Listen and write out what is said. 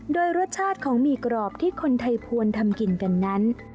โดยรสชาติของหมี่กรอบที่คนไทยควรทำกินกันนั้น